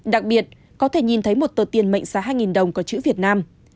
đặc biệt có thể nhìn thấy một tờ tiền mệnh giá hai đồng có chữ việt nam